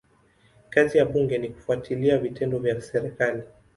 Kazi ya bunge ni kufuatilia vitendo vya serikali.